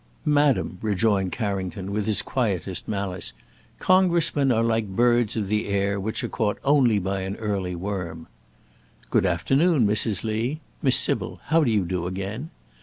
"Madam," rejoined Carrington, with his quietest malice, "Congressmen are like birds of the air, which are caught only by the early worm." "Good afternoon, Mrs. Lee. Miss Sybil, how do you do again?